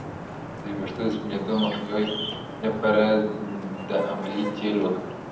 د ویښتو د سپینیدو مخنیوي لپاره د املې تېل وکاروئ